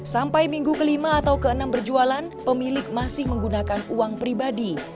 sampai minggu kelima atau keenam berjualan pemilik masih menggunakan uang pribadi